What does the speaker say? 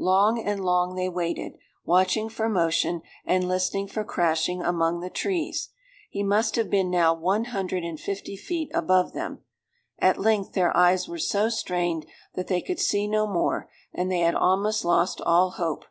Long and long they waited, watching for motion, and listening for crashing among the trees. He must have been now one hundred and fifty feet above them. At length their eyes were so strained that they could see no more; and they had almost lost all hope.